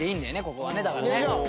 ここはねだからね。